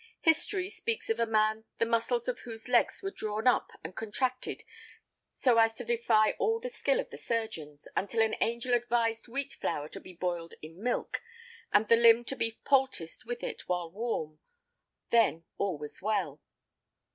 History speaks of a man the muscles of whose legs were drawn up and contracted so as to defy all the skill of the surgeons, until an angel advised wheat flour to be boiled in milk, and the limb to be poulticed with it while warm; then all was well.